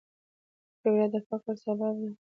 جګړه د فقر سبب ده